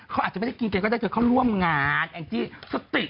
เขาอาจจะไม่ได้กินเกณฑ์แล้วก็ได้คือเขาร่วมงานแองจี้